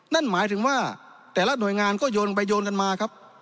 นั่นหมายถึงว่าแต่ละหน่วยงานก็โยนไปโยนกันมาครับ